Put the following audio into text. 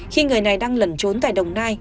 khi người này đang lẩn trốn tại đồng nai